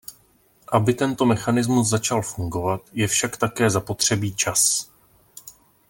Aby tento mechanismus začal fungovat, je však také zapotřebí čas.